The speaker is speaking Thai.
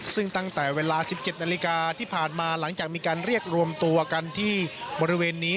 ซึ่งตั้งแต่เวลา๑๗นาฬิกาที่ผ่านมาหลังจากมีการเรียกรวมตัวกันที่บริเวณนี้